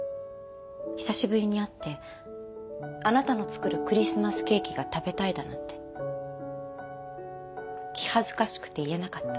久しぶりに会ってあなたの作るクリスマスケーキが食べたいだなんて気恥ずかしくて言えなかった。